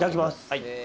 はい。